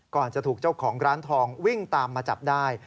จะถูกเจ้าของร้านทองวิ่งตามมาจับได้